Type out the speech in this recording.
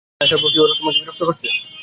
এখানে আসার পর কি ওরা তোমাকে বিরক্ত করেছে?